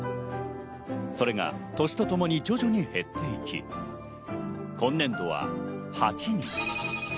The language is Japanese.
それが年とともに徐々に減っていき、今年度は、８人。